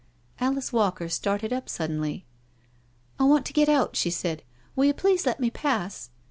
Alice Walker started up suddenly. " I want to get out," she said, " will you please let me pass?"